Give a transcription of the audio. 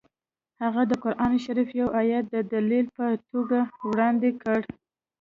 هغه د قران شریف یو ایت د دلیل په توګه وړاندې کړ